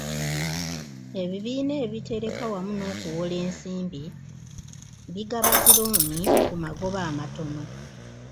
Ebibiina ebitereka wamu n'okuwola ensimbi bigaba zi looni ku magoba amatono.